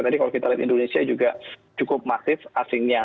kalau kita lihat indonesia juga cukup massif asingnya